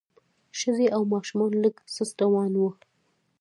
ښځې او ماشومان لږ سست روان وو.